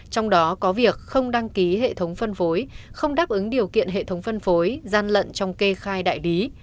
trong đó có việc không đăng ký hệ thống phân phối không đáp ứng điều kiện hệ thống phân phối gian lận trong kê khai đại lý